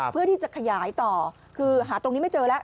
เพื่อที่จะขยายต่อคือหาตรงนี้ไม่เจอแล้ว